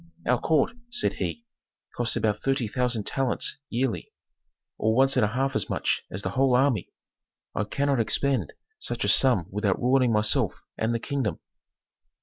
"Our court," said he, "costs about thirty thousand talents yearly, or once and a half as much as the whole army. I cannot expend such a sum without ruining myself and the kingdom."